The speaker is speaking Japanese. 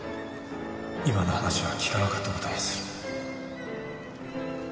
今の話は聞かなかった事にする。